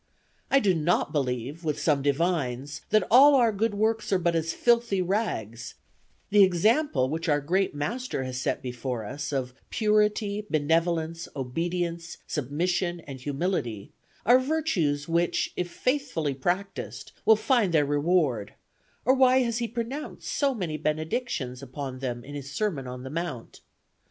I do not believe, with some divines, that all our good works are but as filthy rags; the example which our great Master has set before us, of purity, benevolence, obedience, submission and humility, are virtues which, if faithfully practiced, will find their reward; or why has he pronounced so many benedictions upon them in his sermon on the mount?